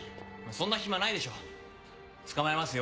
そんな暇ないでしょ捕まえますよ